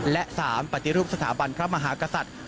และ๓ปฏิรูปสถาบันพระมหากษัตริย์